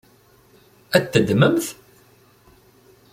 Ad t-teddmemt?